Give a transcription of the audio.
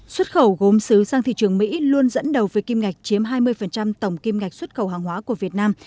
xuất khẩu gốm xứ sang thị trường mỹ luôn dẫn đầu về kim ngạch chiếm hai mươi tổng kim ngạch xuất khẩu hàng hóa của việt nam